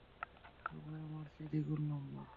সবাই আমার চেয়ে দ্বিগুণ লম্বা।